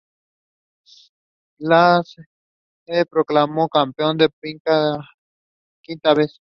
La se proclamó campeón por quinta vez.